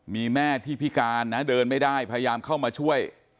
มีแม่ที่พิการนะเดินไม่ได้พยายามเข้ามาช่วย